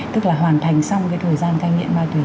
tức là hoàn thành xong cái thời gian cai nghiện ma túy